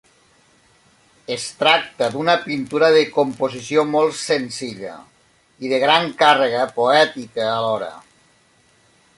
Es tracta d'una pintura de composició molt senzilla i de gran càrrega poètica alhora.